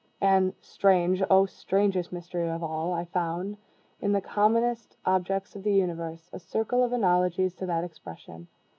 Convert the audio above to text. And (strange, oh, strangest mystery of all!) I found, in the commonest objects of the universe, a circle of analogies to that expression.